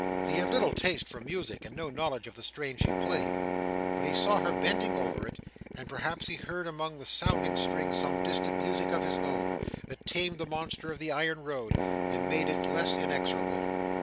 He had little taste for music, and no knowledge of the strain she played, but he saw her bending over it, and perhaps he heard among the sounding strings some distant music of his own, that tamed the monster of the iron road, and made it less inexorable.